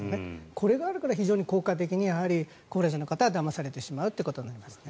これがあるから非常に効果的に高齢者の方はだまされてしまうということになりますね。